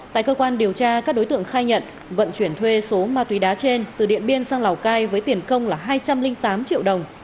tại cơ quan điều tra các đối tượng khai nhận vận chuyển thuê số ma túy đá trên từ điện biên sang lào cai với tiền công là hai trăm linh tám triệu đồng